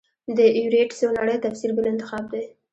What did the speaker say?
د ایورېټ څو نړۍ تفسیر بل انتخاب دی.